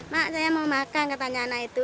mak saya mau makan tetangga anak itu